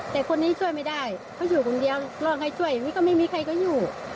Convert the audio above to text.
แต่คนนี้ช่วยไม่ได้เค้าอยู่ตรงเดียวลองให้ช่วยอีกวิ่งก็ไม่มีใครก็อยู่